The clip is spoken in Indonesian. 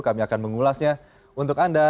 kami akan mengulasnya untuk anda